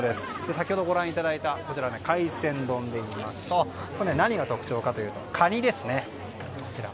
先ほどご覧いただいた海鮮丼を見ますと何が特徴かというとカニですね。